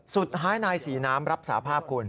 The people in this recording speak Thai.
สุดท้ายนายศรีน้ำรับสาภาพคุณ